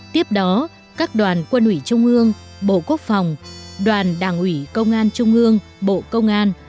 tiếp đó các đoàn quân ủy trung ương bộ quốc phòng đoàn đảng ủy công an trung ương bộ công an